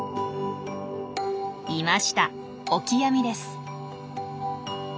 いましたオキアミです。